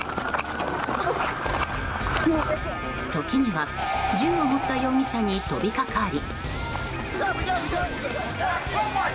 時には銃を持った容疑者に飛びかかり。